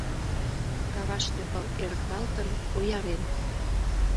Каваште пыл эрыкталтын, оярен.